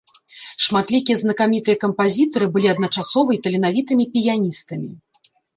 Шматлікія знакамітыя кампазітары былі адначасова і таленавітымі піяністамі.